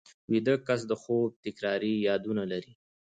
ویده کس د خوب تکراري یادونه لري